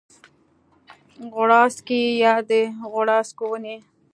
غوړاڅکی یا د غوړاڅکو ونې